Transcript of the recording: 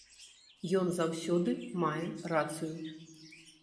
Ён заўсёды мае рацыю.